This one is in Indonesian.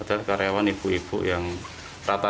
adalah karyawan ibu ibu yang ratusan